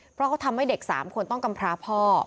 เพราะเขาทำให้เด็ก๓คนต้องกำพร้าพ่อ